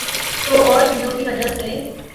تو اورچیزوں کی وجہ سے۔